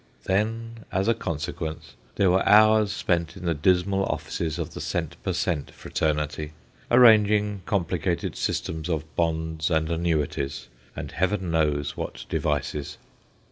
Then, as a consequence, there were hours spent in the dismal offices of the cent, per cent, fraternity, arranging complicated systems of bonds and annuities, and heaven knows what devices.